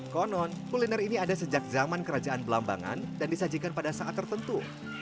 konon kuliner ini ada sejak zaman kerajaan belambangan dan disajikan pada saat tertentu